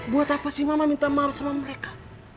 buat apa sih mama minta maaf sama mereka